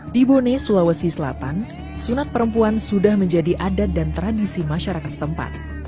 di bone sulawesi selatan sunat perempuan sudah menjadi adat dan tradisi masyarakat setempat